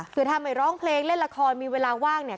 คือถ้าไม่ร้องเพลงเล่นละครมีเวลาว่างเนี่ย